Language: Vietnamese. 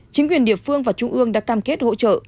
chính quyền địa phương và trung ương đã cam kết hỗ trợ